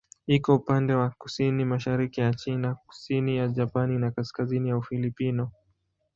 Iko upande wa kusini-mashariki ya China, kusini ya Japani na kaskazini ya Ufilipino.